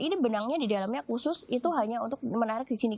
ini benangnya di dalamnya khusus itu hanya untuk menarik di sini